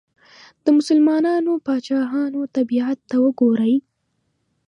د مسلمانو پاچاهانو طبیعت ته وګورئ.